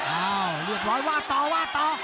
อ้าวเรียบร้อยว่าต่อว่าต่อ